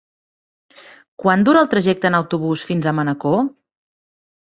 Quant dura el trajecte en autobús fins a Manacor?